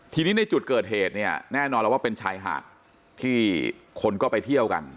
ทีนี้ในจุดเกิดเหตุเนี่ยแน่นอนแล้วว่าเป็นชายหาดที่คนก็ไปเที่ยวกัน